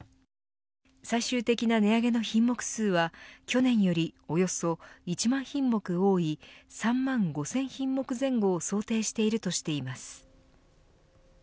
最終的な値上げの品目数は去年よりおよそ１万品目多い３万５０００品目前後を想定しているとしています。